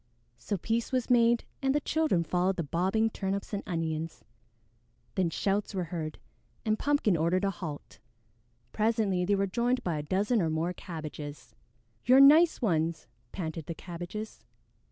So peace was made, and the children followed the bobbing Turnips and Onions. Then shouts were heard, and Pumpkin ordered a halt. Presently they were joined by a dozen or more Cabbages. "You're nice ones!" panted the Cabbages.